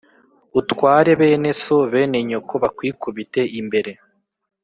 Utware bene so Bene nyoko bakwikubite imbere